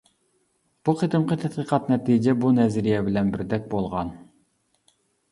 بۇ قېتىمقى تەتقىقات نەتىجە بۇ نەزەرىيە بىلەن بىردەك بولغان.